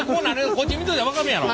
こっち見といたら分かるやろ。